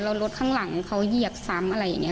แล้วรถข้างหลังเขาเหยียบซ้ำอะไรอย่างนี้